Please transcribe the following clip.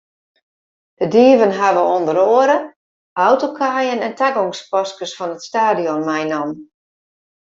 De dieven hawwe ûnder oare autokaaien en tagongspaskes fan it stadion meinaam.